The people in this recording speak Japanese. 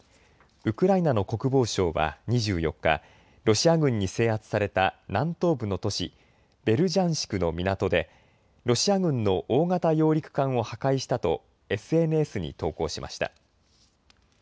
ウクライナの国防省は２４日、ロシア軍に制圧された南東部の都市ベルジャンシクの港でロシア軍の大型揚陸艦を破壊したとＳＮＳに投稿しました。